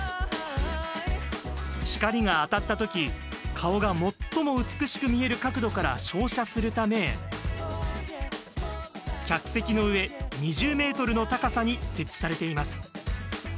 光が当たった時顔が最も美しく見える角度から照射するため客席の上、２０ｍの高さに設置されています。